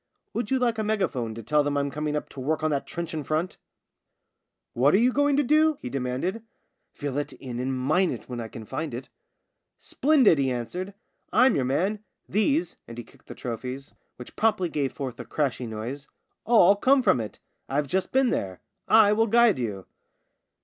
'' Would you like a mega phone to tell them I'm coming up to work on that trench in front ?"" What are you going to do ?" he de manded. " Fill it in and mine it when I can find it." " Splendid," he answered. "I'm your man. These," and he kicked the trophies. 76 JAMES AND THE LAND MINE which promptly gave forth a crashing noise, " all come from it. I've just been there. I will guide you."